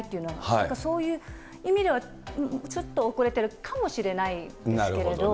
だからそういう意味ではちょっと遅れてるかもしれないですけれど。